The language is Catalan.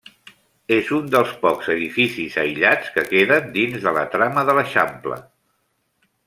És un dels pocs edificis aïllats que queden dins de la trama de l'Eixample.